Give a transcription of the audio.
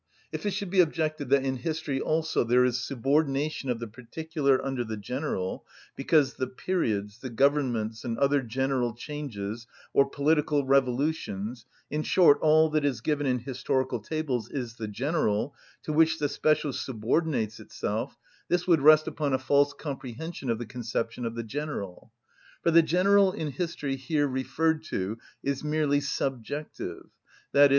If it should be objected that in history also there is subordination of the particular under the general, because the periods, the governments, and other general changes, or political revolutions, in short, all that is given in historical tables, is the general, to which the special subordinates itself, this would rest upon a false comprehension of the conception of the general. For the general in history here referred to is merely subjective, _i.e.